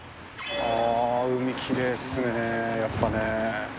海、きれいっすね、やっぱね。